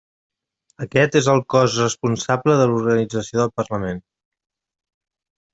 Aquest és el cos responsable de l'organització del Parlament.